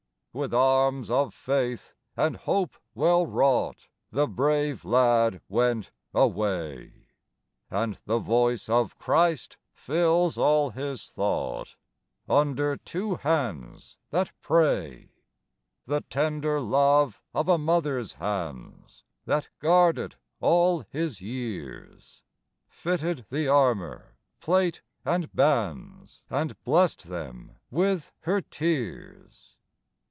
With arms of faith and hope well wrought The brave lad went away, And the voice of Christ fills all his thought, Under two hands that pray: The tender love of a mother's hands That guarded all his years, Fitted the armor, plate and bands, And blessed them with her tears.